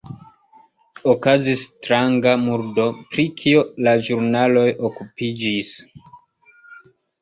Okazis stranga murdo, pri kio la ĵurnaloj okupiĝis.